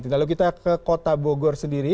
lalu kita ke kota bogor sendiri